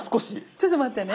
ちょっと待ってね。